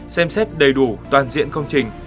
xem xét đầy đủ toàn diện công trình